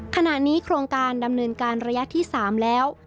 ขณะนี้โครงการดำเนินการระยะที่๓แล้ว